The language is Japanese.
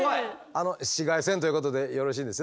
あの紫外線ということでよろしいんですよね？